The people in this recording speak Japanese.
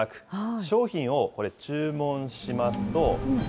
商品をこれ、注文しますと。